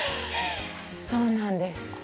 そうなんです。